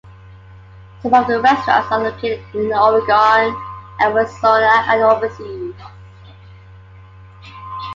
Some of the restaurants are located in Oregon, Arizona, and overseas.